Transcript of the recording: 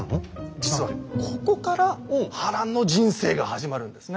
実はここから波乱の人生が始まるんですね。